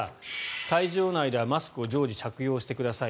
会場内ではマスクを常時着用してください